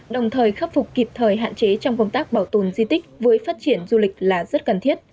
đồng thời khắc phục kịp thời hạn chế trong công tác bảo tồn di tích với phát triển du lịch là rất cần thiết